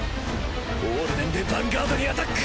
オールデンでヴァンガードにアタック！